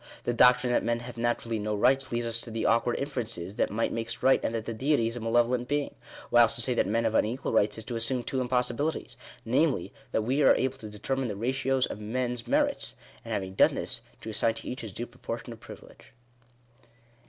The doctrine that men have naturally no rights leads to the awkward inferences, that might makes right, and that the Deity is a malevolent being. Whilst to say that men have unequal rights is to assume two impossibilities ; namely, that we are able to determine the ratios of men's merits ; and having done this, to assign to each his due proportion of privilege.